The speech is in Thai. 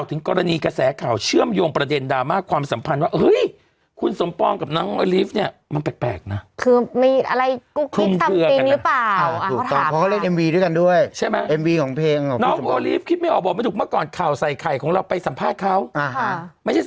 คือมินเชื่อว่าหลายคนที่อยากขึ้นไปข้างบน